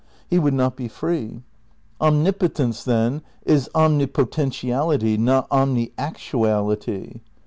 He would not be free. Omnipotence, then, is omnipotentiality, not omniactuality.